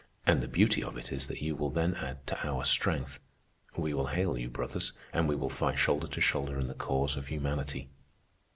And the beauty of it is that you will then add to our strength. We will hail you brothers, and we will fight shoulder to shoulder in the cause of humanity.